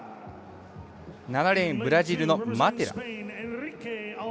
７レーンブラジルのマテラ。